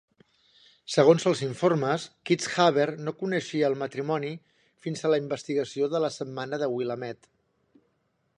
Segons els informes, Kitzhaber no coneixia el matrimoni fins a la investigació de la "Setmana de Willamette".